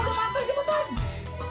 waduh angkat singkong waduh pantul gimukun